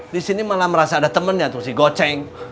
di sini malah merasa ada temennya terus si goceng